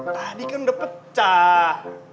tadi kan udah pecah